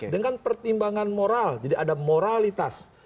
dengan pertimbangan moral jadi ada moralitas